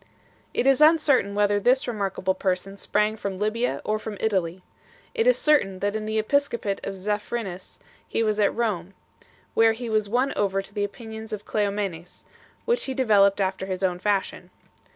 It is uncertain whether this remarkable person sprang from Libya or from Italy. It is certain that in the episcopate of Zephyrinus he was at Rome, where he was won over to the opinions of Cleomenes, which he developed after his own fashion.